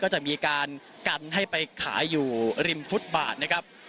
ก็จะมีการกันให้ไปขายอยู่ริมฟุตบาทนะครับ